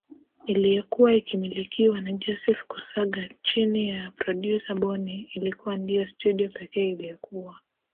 iliyokuwa ikimilikiwa na Joseph Kusaga chini ya prodyuza Bonnie ilikuwa ndiyo studio pekee iliyokuwa